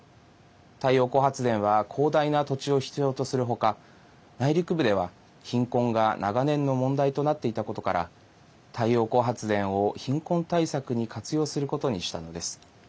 太陽光発電は広大な土地を必要とするほか内陸部では貧困が長年の問題となっていたことから太陽光発電を貧困対策に活用することにしたのです。